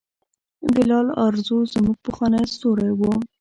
بلال ارزو زموږ پخوانی ستوری و.